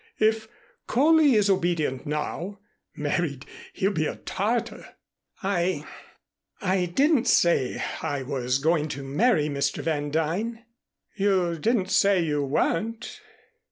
If Coley is obedient now, married he'll be a Tartar." "I I didn't say I was going to marry Mr. Van Duyn." "You didn't say you weren't."